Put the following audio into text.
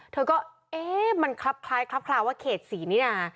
เธอก็เอ๊ะมันคลับคล้ายคลับคลาวว่าเขตศรีนินา